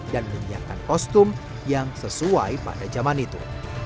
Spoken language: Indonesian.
dan menyiapkan kostum yang sesuai pada zaman itu